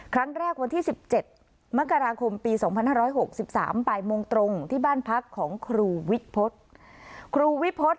ครั้งแรกวันที่สิบเจ็ดมกราคมปีสองพันห้าร้อยหกสิบสามปลายมงตรงที่บ้านพักของครูวิภพฤติ